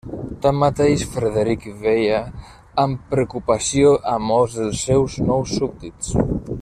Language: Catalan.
Tanmateix, Frederic veia amb preocupació a molts dels seus nous súbdits.